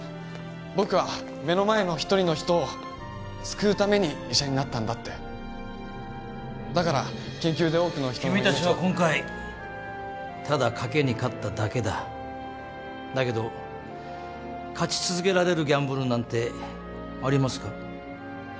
僕は目の前の一人の人を救うために医者になったんだってだから研究で多くの人の君たちは今回ただカケに勝っただけだだけど勝ち続けられるギャンブルなんてありますか？